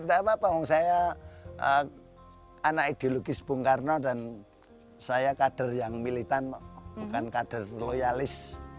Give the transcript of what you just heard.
tidak apa apa saya anak ideologis bung karno dan saya kader yang militan bukan kader loyalis